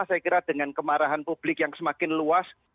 saya kira dengan kemarahan publik yang semakin luas